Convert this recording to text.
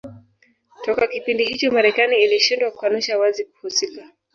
Toka kipindi hicho Marekani ilishindwa kukanusha wazi kuhusika